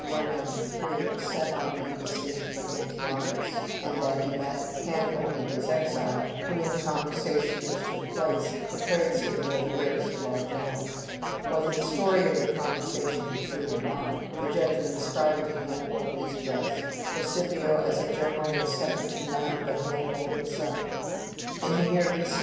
193, was sent on an embassy to Antiochus, and that he met Hannibal in his exile, who in the conversation which took place, declared Scipio the greatest of all generals. Whether the story of the conversation be true or not, the judgment ascribed to Hannibal is just; for Scipio as a general was second to none but Hannibal himself. In the year B.C.